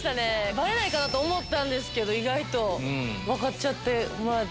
バレないと思ったけど意外と分かっちゃってもらって。